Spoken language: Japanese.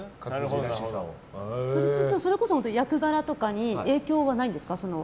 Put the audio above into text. それこそ役柄とかに影響はないですか？